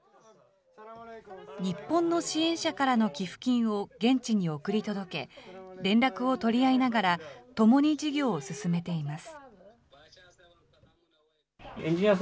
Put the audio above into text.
日本の支援者からの寄付金を現地に送り届け、連絡を取り合いながら、ともに事業を進めています。